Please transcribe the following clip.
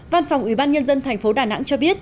văn phòng ủy ban nhân dân thành phố đà nẵng cho biết